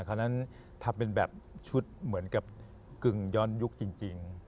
เพราะฉะนั้นถ้าเป็นแบบชุดเหมือนกับกึ่งย้อนยุคจริง